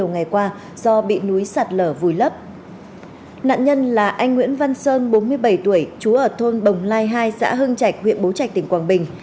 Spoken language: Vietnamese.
nạn nhân là anh nguyễn văn sơn bốn mươi bảy tuổi chú ở thôn bồng lai hai xã hưng trạch huyện bố trạch tỉnh quảng bình